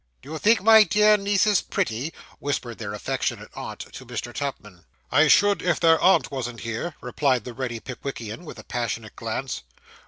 'Do you think my dear nieces pretty?' whispered their affectionate aunt to Mr. Tupman. 'I should, if their aunt wasn't here,' replied the ready Pickwickian, with a passionate glance.